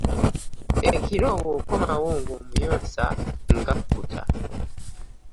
Ekiro bw'okomawo ng'omuyonsa ng'akkuta.